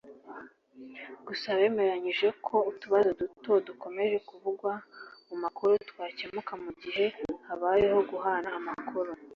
gusa bemeranyije ko utubazo duto dukomeje kuvugwa mu makuru twakemuka mu gihe habayeho guhana amakuru